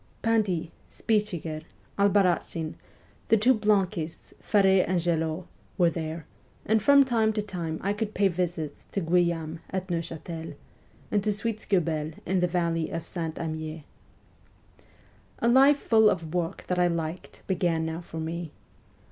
Pindy, Spichiger, Albarracin, the two Blanquists, Ferre and Jeallot, were there, and from time to time I could pay visits to Guillaume at Neu chatel, and to Schwitzguebel in the valley of St. Imier. A life full of work that I liked began now for me.